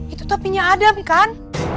itu topinya adam kan